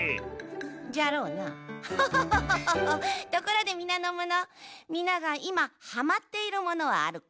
ところでみなのものみながいまハマっているものはあるか？